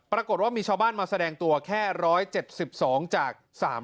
ปรากฏว่ามีชาวบ้านมาแสดงตัวแค่๑๗๒จาก๓๐